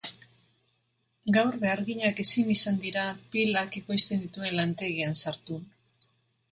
Gaur beharginak ezin izan dira pilak ekoizten dituen lantegian sartu.